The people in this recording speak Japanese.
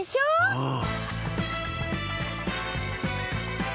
うん。